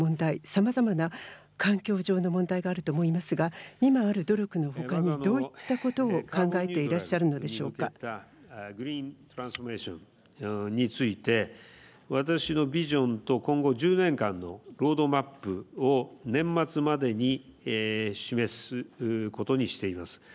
さまざまな環境上の問題があると思いますが今ある努力のほかにどういったことを考えて私のビジョンと今後１０年間のロードマップを年末までに示すことにしています。